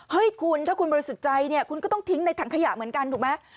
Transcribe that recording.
เฮ้ยคุณถ้าคุณบริสุทธิ์ใจเนี่ยคุณก็ต้องทิ้งในถังขยะเหมือนกันถูกไหม